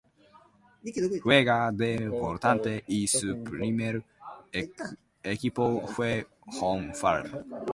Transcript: Juega de Volante y su primer equipo fue Home Farm.